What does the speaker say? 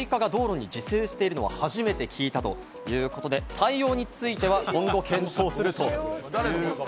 大阪市の担当者はスイカが道路に自生しているのは初めて聞いたということで、対応については今後、検討するということです。